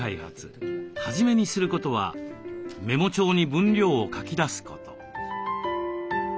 初めにすることはメモ帳に分量を書き出すこと。